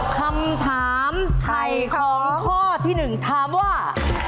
คำถามไถ่ของข้อที่๑ถามว่า